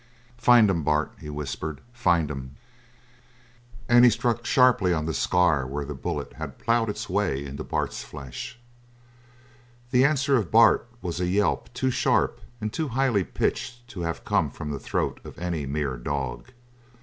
"Find'em, Bart!" he whispered. "Find'em!" And he struck sharply on the scar where the bullet had ploughed its way into Bart's flesh. The answer of Bart was a yelp too sharp and too highly pitched to have come from the throat of any mere dog.